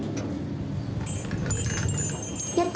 やった！